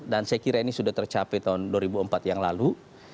dan saya kira ini sudah tercapai tahun dua ribu empat yang lalu